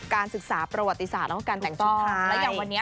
การศึกษาประวัติศาสตร์แล้วก็การแต่งชุดท้าย